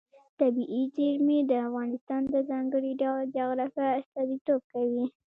طبیعي زیرمې د افغانستان د ځانګړي ډول جغرافیه استازیتوب کوي.